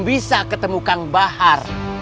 bisa ketemu kang bahar